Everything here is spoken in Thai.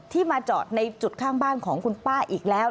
มาจอดในจุดข้างบ้านของคุณป้าอีกแล้ว